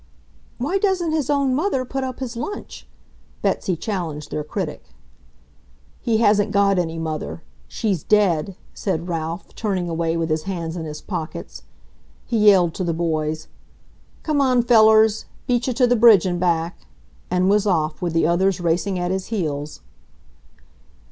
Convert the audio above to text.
"Why doesn't his own mother put up his lunch?" Betsy challenged their critic. "He hasn't got any mother. She's dead," said Ralph, turning away with his hands in his pockets. He yelled to the boys, "Come on, fellers, beat che to the bridge and back!" and was off, with the others racing at his heels.